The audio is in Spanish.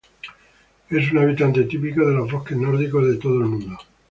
Es un habitante típico de los bosques nórdicos de todo el mundo.